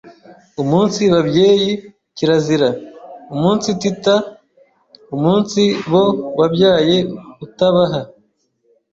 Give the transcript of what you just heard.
Umunsi babyeyi, kirazira: Umunsitita umunsi bo wabyaye utabaha